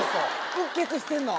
うっ血してるの。